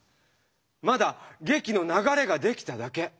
まだ劇の流れができただけ。